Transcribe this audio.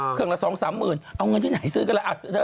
เครื่องละ๒๓๐๐๐๐เอาเงินที่ไหนซื้อกันล่ะ